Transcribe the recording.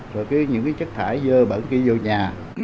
rồi những cái chất thải dơ bẩn kia vô nhà